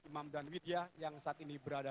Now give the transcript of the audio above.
imam dan widya yang saat ini berada